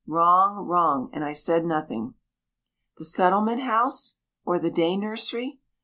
Wrong, wrong, and I said nothing. "The settlement house, or the day nursery?"